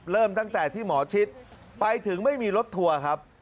เริ่มตั้งแต่ที่หมอชิดไปถึงไม่มีรถทัวร์ครับ